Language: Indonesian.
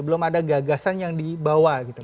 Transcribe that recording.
belum ada gagasan yang dibawa gitu